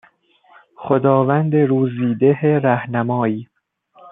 خداوند روزی ده رهنمای